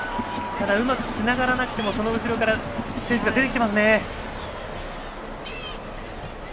ただ、うまくつながらなくてもその後ろから選手が出てきています。